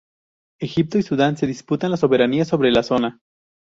Egipto y Sudán se disputan la soberanía sobre la zona.